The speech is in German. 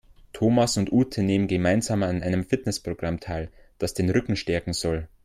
Thomas und Ute nehmen gemeinsam an einem Fitnessprogramm teil, das den Rücken stärken soll.